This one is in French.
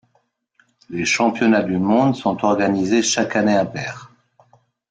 Les championnats du monde sont organisés chaque année impaire.